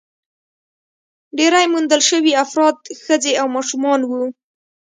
ډېری موندل شوي افراد ښځې او ماشومان وو.